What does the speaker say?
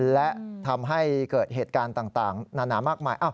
และทำให้เกิดเหตุการณ์ต่างนานามากมาย